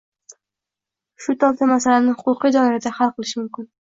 shu tobda masalani huquqiy doirada hal qilish mumkin